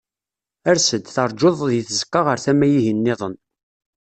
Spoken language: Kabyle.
Ers-d, terǧuḍ di tzeqqa ar tama-ihin-nniḍen.